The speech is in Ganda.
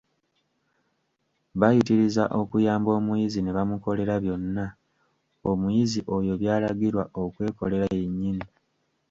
Bayitiriza okuyamba omuyizi ne bamukolera byonna, omuyizi oyo by'alagirwa okwekolera yennyini.